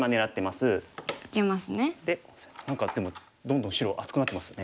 で何かでもどんどん白厚くなってますね。